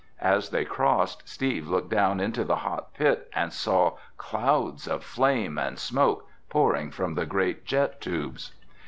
As they crossed, Steve looked down into the hot pit and saw clouds of flame and smoke pouring from the great jet tubes.